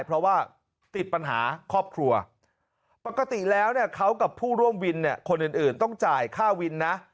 เพราะว่าติดปัญหาครอบครัวปกติแล้วเนี่ยเขากับผู้ร่วมวินเนี่ยคนอื่นต้องจ่ายค่าวินนะ